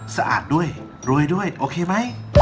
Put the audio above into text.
สะอาดด้วยรวยด้วยโอเคไหม